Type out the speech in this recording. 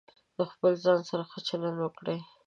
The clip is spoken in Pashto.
د خپل ځان سره ښه چلند وکړئ.